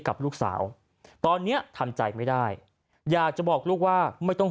กับลูกสาวตอนนี้ทำใจไม่ได้อยากจะบอกลูกว่าไม่ต้อง